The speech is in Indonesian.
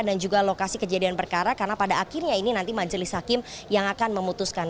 dan juga lokasi kejadian perkara karena pada akhirnya ini nanti majelis hakim yang akan memutuskan